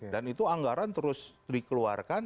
dan itu anggaran terus dikeluarkan